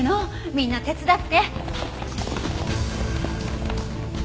みんな手伝って。